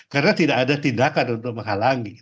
karena tidak ada tindakan untuk menghalangi